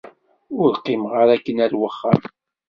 Ur qqimeɣ ara akken war axxam.